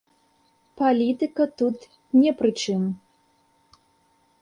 Палітыка тут не пры чым.